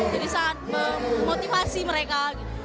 jadi sangat memotivasi mereka